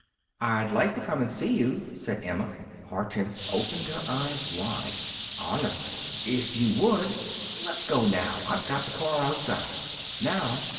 "I'd like to come and see you," said Emma. Hortense opened her eyes wide. "Honestly; if you would " "Let's go up now. I've the car outside." "Now!